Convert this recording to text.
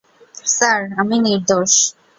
Sir, আমি নির্দোষ।